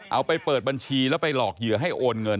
เอาไปเปิดบัญชีแล้วไปหลอกเหยื่อให้โอนเงิน